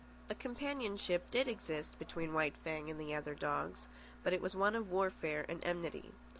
A companionship did exist between White Fang and the other dogs, but it was one of warfare and enmity.